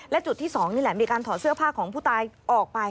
และจุดที่๒นี่แหละมีการถอดเสื้อผ้าของผู้ตายออกไป